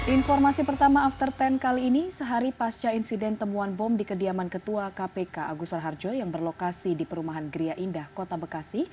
informasi pertama after sepuluh kali ini sehari pasca insiden temuan bom di kediaman ketua kpk agus raharjo yang berlokasi di perumahan gria indah kota bekasi